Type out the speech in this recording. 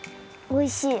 おいしい。